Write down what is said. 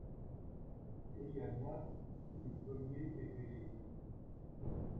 cria Nab, qui fut le premier éveillé.